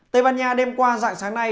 tây ban nha đêm qua dạng sáng nay